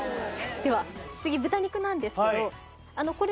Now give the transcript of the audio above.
では次豚肉なんですけどあのこれも。